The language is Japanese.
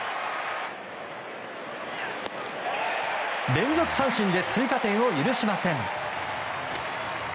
連続三振で追加点を許しません。